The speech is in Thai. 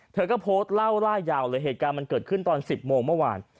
เธอก็โพสต์เล่าล่ายยาวเลยเหตุการณ์มันเกิดขึ้นตอน๑๐โมงเมื่อวาน